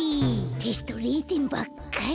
テスト０てんばっかり。